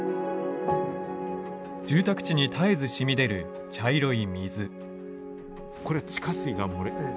住宅地に絶えず染み出る茶色い水。